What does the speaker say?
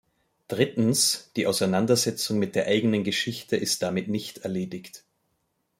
Drittens, die Auseinandersetzung mit der eigenen Geschichte ist damit nicht erledigt.